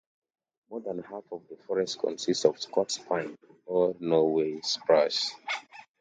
More than half of the forests consist of Scots pine or Norway spruce.